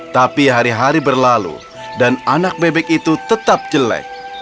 tapi hari hari berlalu dan anak bebek itu tetap jelek